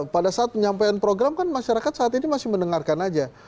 pada saat penyampaian program kan masyarakat saat ini masih mendengarkan aja